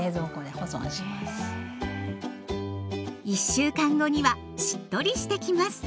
１週間後にはしっとりしてきます。